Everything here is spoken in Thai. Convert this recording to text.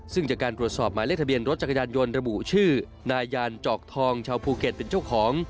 ซึ่งจากการตรวจสอบหมายเลขทะเบียนรถจักรยานยนต์ระบุชื่อนายานจอกทองชาวภูเก็ตเป็นเจ้าของ